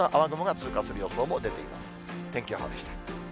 天気予報でした。